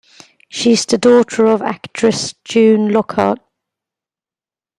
She is the daughter of actress June Lockhart.